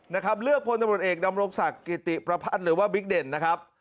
นะครับเลือกพลตำรวจเอกดำรงศักดิ์กิติประพัฒน์หรือว่าบิ๊กเด่นนะครับ